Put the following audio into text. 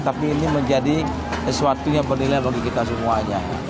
tapi ini menjadi sesuatu yang bernilai bagi kita semuanya